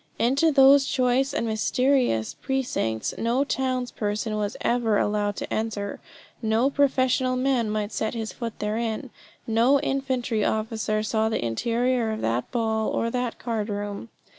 Into those choice and mysterious precincts no towns person was ever allowed to enter; no professional man might set his foot therein; no infantry officer saw the interior of that ball, or that card room.